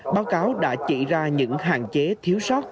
báo cáo đã chỉ ra những hạn chế thiếu sót